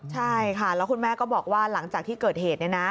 ใช่ค่ะแล้วคุณแม่ก็บอกว่าหลังจากที่เกิดเหตุเนี่ยนะ